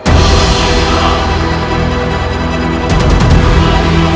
seluruh aliran darahnya terbalik